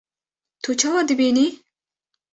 Tu çawa dibînî?